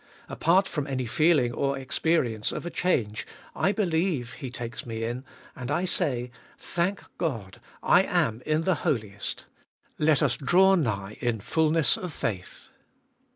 Apart from any feeling or experience of a change I believe He takes me in, and I say : Thank God, I am in the Holiest. Let us draw nigh in fulness of faith.